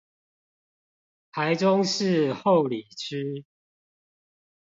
台中市后里區